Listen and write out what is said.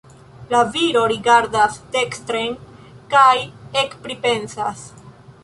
La viro rigardas dekstren kaj ekpripensas.